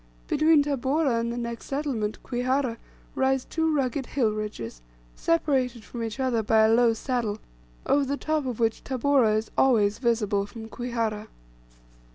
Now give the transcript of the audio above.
Between Tabora and the next settlement, Kwihara, rise two rugged hill ridges, separated from each other by a low saddle, over the top of which Tabora is always visible from Kwihara.